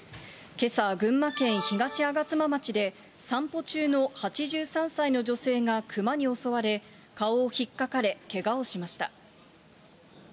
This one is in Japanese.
けさ、群馬県東吾妻町で、散歩中の８３歳の女性が熊に襲われ、顔をひっかかれ、けがをしました。